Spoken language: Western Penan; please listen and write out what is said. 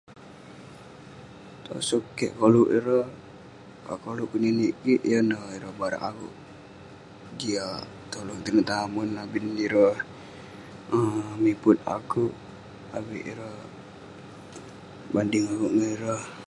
tosog keik koluk ireh ,koluk keninik kik yan neh ireh barak akouk jiak, tolong tinen tamen, abin ireh mipet akouk avik ireh banding akouk ngan ireh,